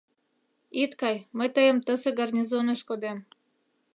Ит кай, мый тыйым тысе гарнизонеш кодем...